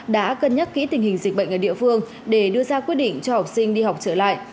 đã cân nhắc kỹ tình hình dịch bệnh ở địa phương để đưa ra quyết định cho học sinh đi học trở lại